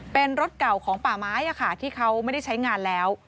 เป็นรถเก่าของป่าไม้ที่เขาไม่ได้ใช้งานแล้ว